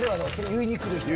言いに来る人。